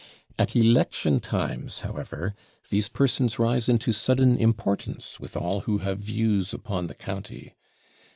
At election times, however, these persons rise into sudden importance with all who have views upon the county.